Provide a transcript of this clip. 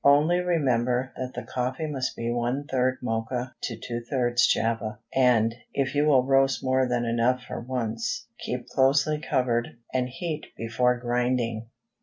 Only remember that the coffee must be one third Mocha to two thirds Java, and, if you will roast more than enough for once, keep closely covered, and heat before grinding.